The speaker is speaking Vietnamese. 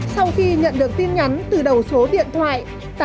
sau khi nhận được tin nhắn từ đầu số điện thoại tám mươi bốn nghìn năm trăm sáu mươi ba